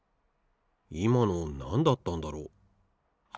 いまのなんだったんだろう？